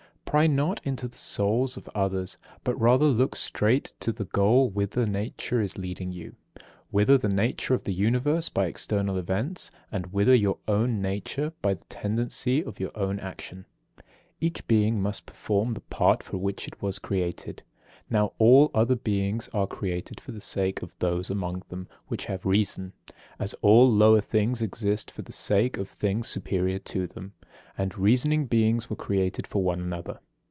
55. Pry not into the souls of others; but rather look straight to the goal whither nature is leading you; whither the nature of the Universe by external events, and whither your own nature by the tendency of your own action. Each being must perform the part for which it was created. Now all other beings are created for the sake of those among them which have reason; as all lower things exist for the sake of things superior to them; and reasoning beings were created for one another.